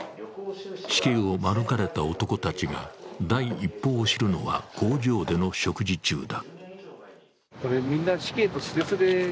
死刑を免れた男たちが第一報を知るのは工場での食事中だ。